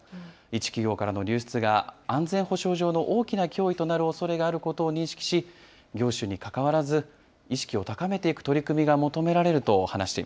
一企業の流出が、安全保障上の大きな脅威となるおそれがあることを認識し、業種にかかわらず、意識を高めていく取り組みが求めら